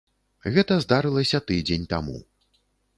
Гэта здарылася тыдзень таму.